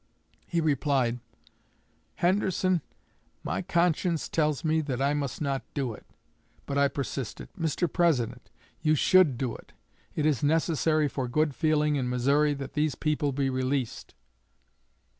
He replied, 'Henderson, my conscience tells me that I must not do it.' But I persisted. 'Mr. President, you should do it. It is necessary for good feeling in Missouri that these people be released.'